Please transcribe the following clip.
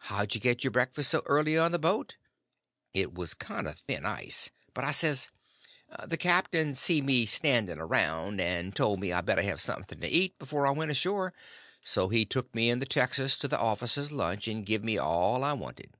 "How'd you get your breakfast so early on the boat?" It was kinder thin ice, but I says: "The captain see me standing around, and told me I better have something to eat before I went ashore; so he took me in the texas to the officers' lunch, and give me all I wanted."